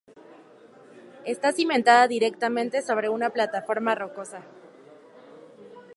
Está cimentada directamente sobre una plataforma rocosa.